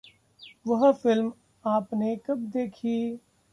वह फ़िल्म आपने कब देखी?